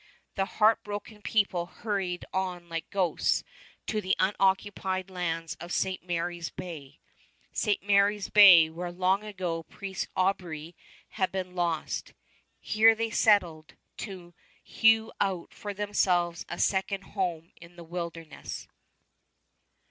The heart broken people hurried on like ghosts to the unoccupied lands of St. Mary's Bay, St. Mary's Bay, where long ago Priest Aubry had been lost. Here they settled, to hew out for themselves a second home in the wilderness.